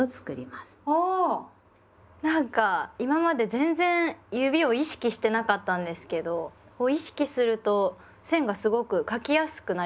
なんか今まで全然指を意識してなかったんですけど意識すると線がすごく書きやすくなりました。